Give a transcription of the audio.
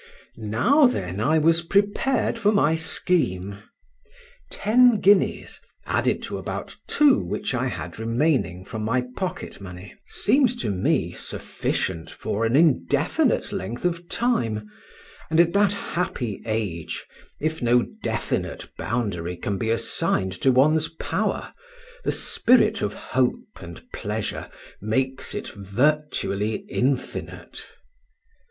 Now, then, I was prepared for my scheme. Ten guineas, added to about two which I had remaining from my pocket money, seemed to me sufficient for an indefinite length of time; and at that happy age, if no definite boundary can be assigned to one's power, the spirit of hope and pleasure makes it virtually infinite.